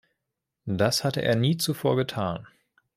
Das hatte er nie zuvor getan.